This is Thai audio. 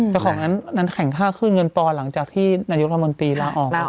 แต่ของนั้นนั้นแข่งค่าขึ้นเงินต่อหลังจากที่นายุทธรรมดีลาออก